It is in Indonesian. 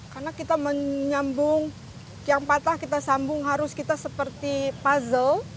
karena kita menyambung yang patah kita sambung harus kita seperti puzzle